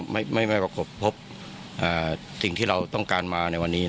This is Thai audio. ไม่ประคบพบสิ่งที่เราต้องการมาในวันนี้